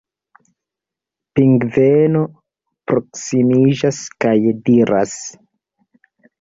Pingveno proksimiĝas kaj diras: